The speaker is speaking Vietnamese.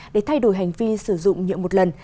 để thay đổi hành vi sử dụng nhựa một lần